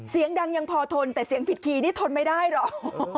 เสียงดังยังพอทนแต่เสียงผิดทีนี่ทนไม่ได้หรอก